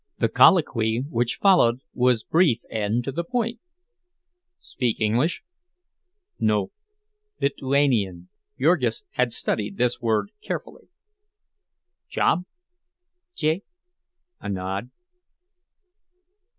The colloquy which followed was brief and to the point: "Speak English?" "No; Lit uanian." (Jurgis had studied this word carefully.) "Job?" "Je." (A nod.)